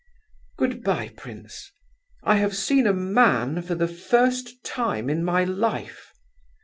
Goodbye, prince. I have seen a man for the first time in my life.